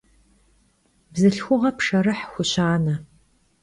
Bzılhxuğe pşşerıh xuşane.